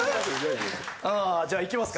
あじゃあいきますか。